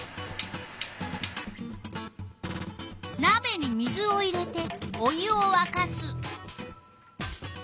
なべに水を入れてお湯をわかす。